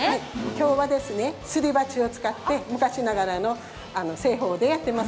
今日はすり鉢を使って昔ながらの製法で行っています。